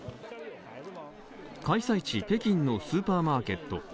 開催地・北京のスーパーマーケット。